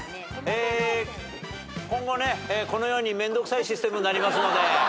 今後ねこのように面倒くさいシステムになりますので。